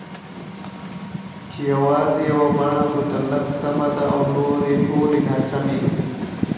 چې یوازې یوه بڼه مطلق سمه ده او نورې ټولې ناسمي